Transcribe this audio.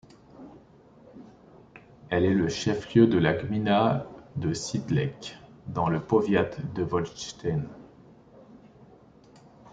Elle est le chef-lieu de la gmina de Siedlec, dans le powiat de Wolsztyn.